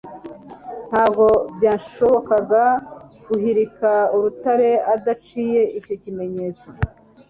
Ntabwo byashobokaga guhirika urutare udaciye icyo kimenyetso.